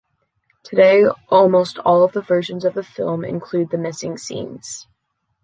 Today, almost all of the versions of the film include the missing scenes.